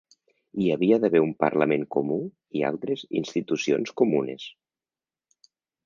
Hi havia d'haver un parlament comú i altres institucions comunes.